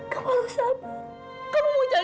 kamu yang membuat ibu amar marah